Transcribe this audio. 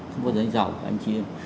không bao giờ anh giàu cả anh chị em